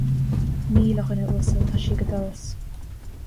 Níl, a dhuine uasail, tá sí ag an doras